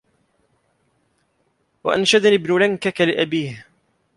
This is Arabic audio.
وَأَنْشَدَنِي ابْنُ لَنْكَكَ لِأَبِيهِ